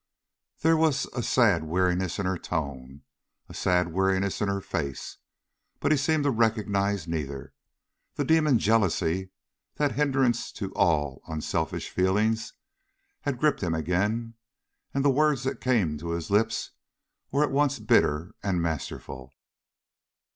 There was a sad weariness in her tone, a sad weariness in her face, but he seemed to recognize neither. The demon jealousy that hindrance to all unselfish feeling had gripped him again, and the words that came to his lips were at once bitter and masterful.